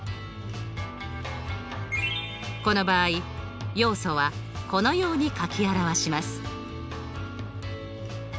この場合要素はこのように書き表します。